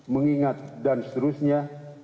mengingat dan seterusnya